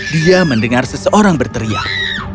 dia mendengar seseorang berteriak